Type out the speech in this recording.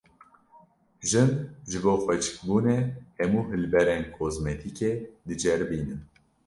Jin, ji bo xweşikbûnê hemû hilberên kozmetîkê diceribînin